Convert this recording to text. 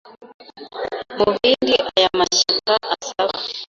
Mu bindi aya mashyaka asaba